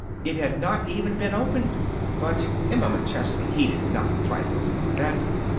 It had not even been opened. But Emma McChesney heeded not trifles like that.